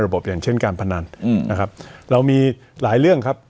อย่างเช่นการพนันนะครับเรามีหลายเรื่องครับ